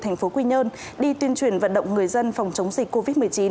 trung cử tp quy nhơn đi tuyên truyền vận động người dân phòng chống dịch covid một mươi chín